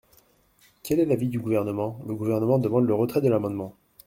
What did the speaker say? Quel est l’avis du Gouvernement ? Le Gouvernement demande le retrait de l’amendement.